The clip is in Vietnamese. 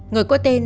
người có tên